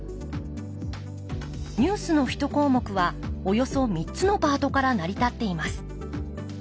ニュースの１項目はおよそ３つのパートから成り立っています。